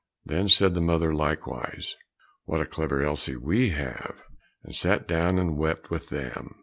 Then said the mother likewise, "What a clever Elsie we have!" and sat down and wept with them.